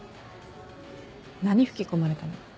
何吹き込まれたの？